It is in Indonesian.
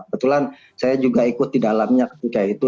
kebetulan saya juga ikut di dalamnya ketika itu